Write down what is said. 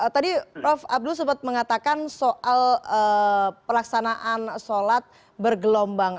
tadi prof abdul sempat mengatakan soal pelaksanaan sholat bergelombang